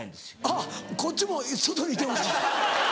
あっこっちも外にいてほしい。